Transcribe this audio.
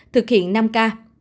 thực hiện năm k